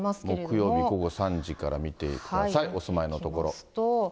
木曜日午後３時から見てください、お住まいの所。